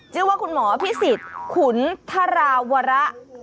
ชื่อว่าคุณหมอพิสิทธิ์ขุนทราวระ